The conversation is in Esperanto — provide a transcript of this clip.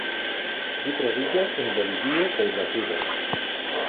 Ĝi troviĝas en Bolivio kaj Brazilo.